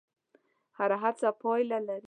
هره هڅه پایله لري.